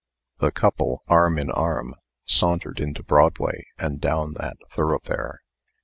The couple, arm in arm, sauntered into Broadway, and down that thoroughfare.